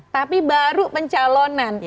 tapi baru pencalonan